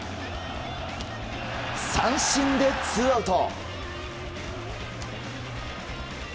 三振でツーアウト！